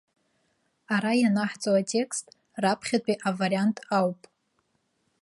Ара ианаҳҵо атекст раԥхьатәи авариант ауп.